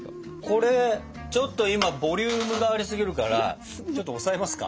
これちょっと今ボリュームがありすぎるからちょっと押さえますか？